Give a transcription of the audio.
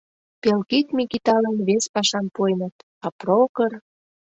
Пелкид Микиталан вес пашам пуэныт, а Прокыр...»